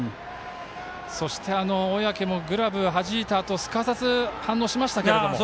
そして小宅もグラブをはじいたあとすかさず反応しましたけれども。